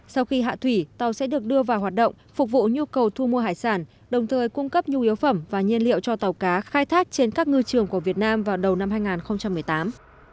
sau khi hạ thủy tàu sẽ được đưa vào hoạt động phục vụ nhu cầu thu mua hải sản đồng thời cung cấp nhu yếu phẩm và nhiên liệu cho tàu cá khai thác trên các ngư trường của việt nam vào đầu năm hai nghìn một mươi tám